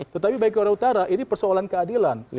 tetapi bagi korea utara ini persoalan keadilan